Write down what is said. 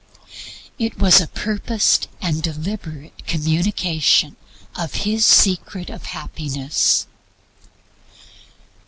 It was a purposed and deliberate communication of His SECRET OF HAPPINESS.